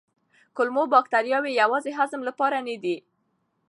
کولمو بکتریاوې یوازې هضم لپاره نه دي.